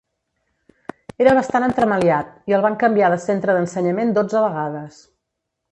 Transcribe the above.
Era bastant entremaliat, i el van canviar de centre d'ensenyament dotze vegades.